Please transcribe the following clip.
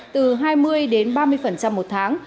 từ hai mươi đến ba mươi một tháng